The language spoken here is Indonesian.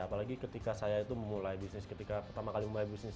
apalagi ketika saya itu memulai bisnis ketika pertama kali memulai bisnis